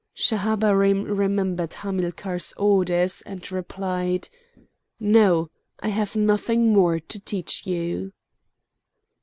Schahabarim remembered Hamilcar's orders, and replied: "No, I have nothing more to teach you!"